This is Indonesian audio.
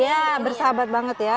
ya bersahabat banget ya